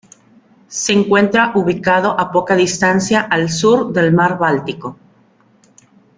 Se encuentra ubicado a poca distancia al sur del mar Báltico.